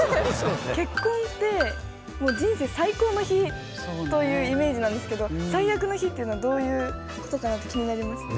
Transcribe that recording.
結婚ってもう人生最高の日というイメージなんですけど最悪の日っていうのはどういうことかなって気になります。